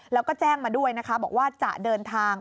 แล้วก็แจ้งมาด้วยนะคะบอกว่าจะเดินทาง